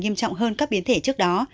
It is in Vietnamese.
nghiêm trọng hơn các biến thể trước đó